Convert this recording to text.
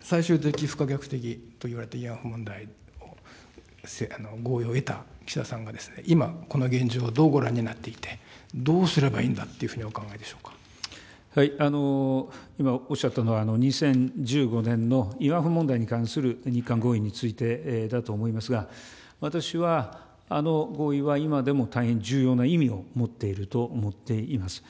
最終的不可逆的といわれていた慰安婦問題を合意を得た、岸田さんがですね、今、この現状をどうご覧になっていて、どうすればいいんだというふうに今おっしゃったのは、２０１５年の慰安婦問題に関する日韓合意についてだと思いますが、私はあの合意は今でも大変重要な意味を持っていると思っています。